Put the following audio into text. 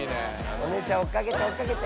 お姉ちゃん追っかけて追っかけて。